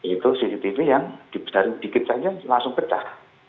itu cctv yang dari sedikit saja langsung pecah